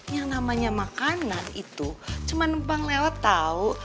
yang namanya makanan itu cuman bang lewat tau